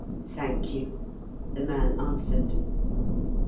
"Thank you," the man answered.